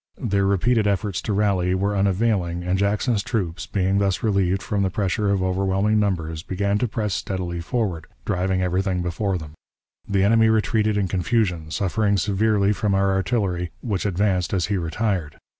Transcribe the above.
Their repeated efforts to rally were unavailing, and Jackson's troops, being thus relieved from the pressure of overwhelming numbers, began to press steadily forward, driving everything before them. The enemy retreated in confusion, suffering severely from our artillery, which advanced as he retired.